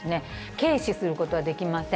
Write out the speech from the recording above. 軽視することはできません。